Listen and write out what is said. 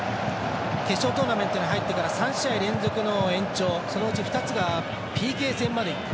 決勝トーナメントに入ってから３試合連続の延長そのうち２つがＰＫ戦まで。